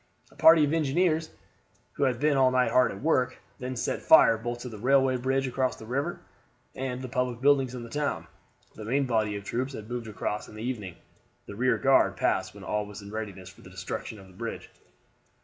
A party of engineers, who had been all night hard at work, then set fire both to the railway bridge across the river and the public buildings in the town. The main body of troops had moved across in the evening. The rear guard passed when all was in readiness for the destruction of the bridge.